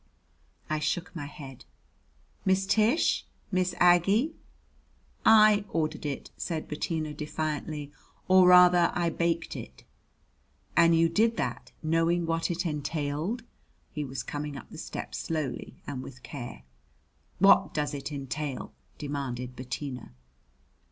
I shook my head. "Miss Tish? Miss Aggie?" "I ordered it," said Bettina defiantly "or rather I baked it." "And you did that, knowing what it entailed? He was coming up the steps slowly and with care. "What does it entail?" demanded Bettina.